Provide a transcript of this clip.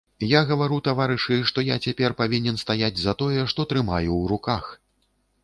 Я гавару, таварышы, што я цяпер павінен стаяць за тое, што трымаю ў руках!